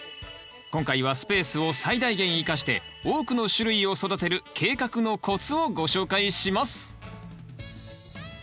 今回はスペースを最大限生かして多くの種類を育てる計画のコツをご紹介します。